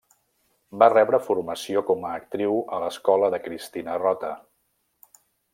Va rebre formació com a actriu a l'escola de Cristina Rota.